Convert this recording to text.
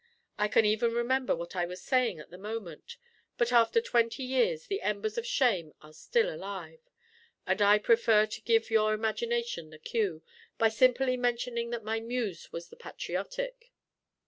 I can even remember what I was saying at the moment; but after twenty years, the embers of shame are still alive; and I prefer to give your imagination the cue, by simply mentioning that my muse was the patriotic.